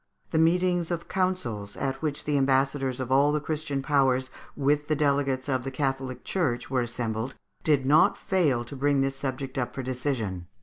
The meetings of councils, at which the ambassadors of all the Christian Powers, with the delegates of the Catholic Church, were assembled, did not fail to bring this subject up for decision.